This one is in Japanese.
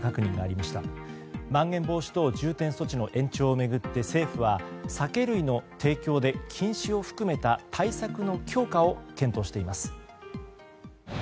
まん延防止等重点措置の延長を巡って政府は酒類の提供で禁止を含めた対策の強化を検討しています。